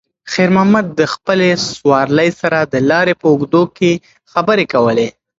خیر محمد د خپلې سوارلۍ سره د لارې په اوږدو کې خبرې کولې.